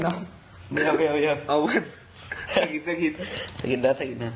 สะกิดสะกิดนะสะกิดนะ